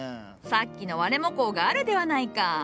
さっきのワレモコウがあるではないか。